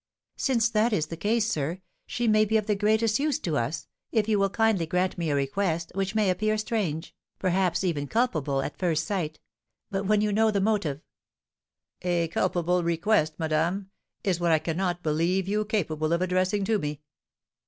"Since that is the case, sir, she may be of the greatest use to us, if you will kindly grant me a request, which may appear strange, perhaps even culpable, at first sight, but when you know the motive " "A culpable request, madame, is what I cannot believe you capable of addressing to me."